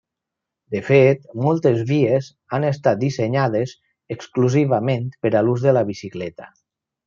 De fet, moltes vies han estat dissenyades exclusivament per a l'ús de la bicicleta.